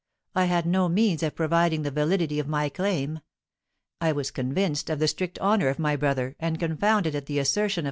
I had no means of proving the validity of my claim; I was convinced of the strict honour of my brother, and confounded at the assertion of M.